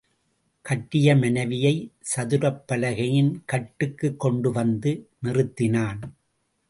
கட்டிய மனைவியைச் சதுரப்பலகையின் கட்டுக்குக் கொண்டு வந்து நிறுத்தினான்.